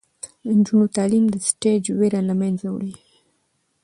د نجونو تعلیم د سټیج ویره له منځه وړي.